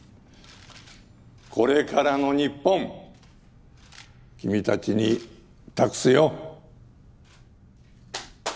これからの日本君たちに託すよ。